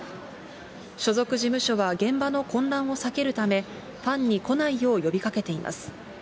所属事務所は、現場の混乱を避けるため、ファンに来ないよう呼びかけています。